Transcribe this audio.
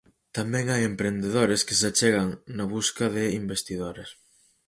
Tamén hai emprendedores que se achegan na busca de investidores.